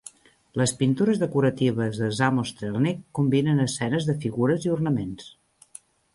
Les pintures decoratives de Samostrzelnik combinen escenes de figures i ornaments.